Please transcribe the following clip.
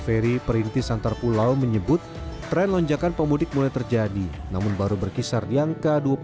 ferry perintis antar pulau menyebut tren lonjakan pemudik mulai terjadi namun baru berkisar di angka